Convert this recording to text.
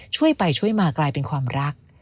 ช่วยไปช่วยมากลายเป็นความรัก